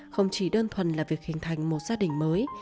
không chỉ đơn thuần là việc hình thành một gia đình mới